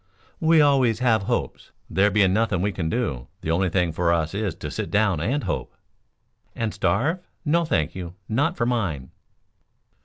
"We always have hopes. There being nothing we can do, the only thing for us is to sit down and hope." "And starve? No, thank you. Not for mine!"